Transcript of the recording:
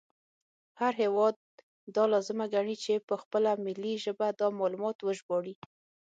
هر هیواد دا لازمه ګڼي چې په خپله ملي ژبه دا معلومات وژباړي